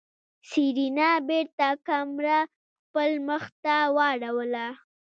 سېرېنا بېرته کمره خپل مخ ته واړوله.